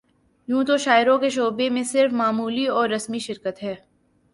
یوں تو شاعری کے شعبے میں صرف معمولی اور رسمی شرکت ہے